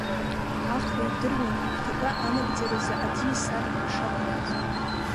Ахра идыруан игәҭакы анагӡаразы аӡиас арра шаҭахыз.